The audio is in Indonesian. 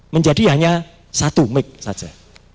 menjadi hanya satu make saja